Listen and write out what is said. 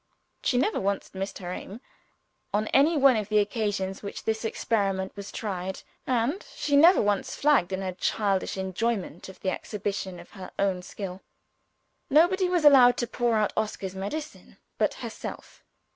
She never once missed her aim, on any one of the occasions when this experiment was tried and she never once flagged in her childish enjoyment of the exhibition of her own skill. Nobody was allowed to pour out Oscar's medicine but herself.